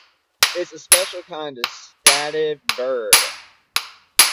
It is a special kind of stative verb.